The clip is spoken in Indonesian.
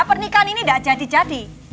pernikahan ini tidak jadi jadi